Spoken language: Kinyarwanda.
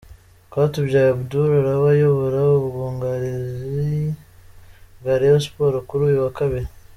Rwatubyaye Abdul araba ayobora ubwugarizi bwa Rayon Sports kuri uyu wa Kabiri.